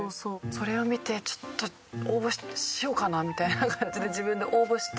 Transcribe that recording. それを見てちょっと応募しようかなみたいな感じで自分で応募して。